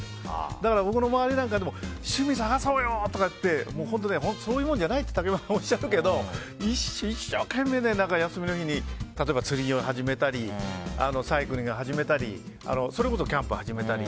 だから僕の周りなんかでも趣味探そうよとか言ってそういうものじゃないって竹山さんはおっしゃるけど一生懸命休みの日に、例えば釣りを始めたりサイクリング始めたりそれこそキャンプを始めたり。